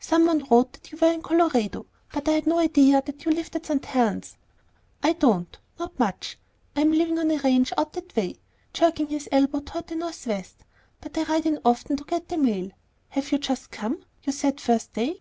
Some one wrote that you were in Colorado, but I had no idea that you lived at St. Helen's." "I don't; not much. I'm living on a ranch out that way," jerking his elbow toward the northwest, "but I ride in often to get the mail. Have you just come? You said the first day."